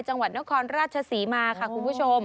จังหวัดนครราชศรีมาค่ะคุณผู้ชม